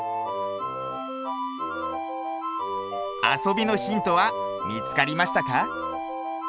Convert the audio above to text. あそびのヒントはみつかりましたか？